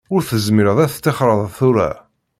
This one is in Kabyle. Ur tezmireḍ ad teṭṭixreḍ tura.